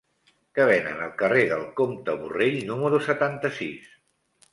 Què venen al carrer del Comte Borrell número setanta-sis?